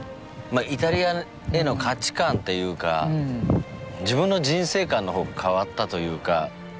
イタリアへの価値観っていうか自分の人生観の方が変わったというか。